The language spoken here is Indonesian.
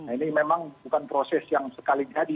ini memang bukan proses yang sekali jadi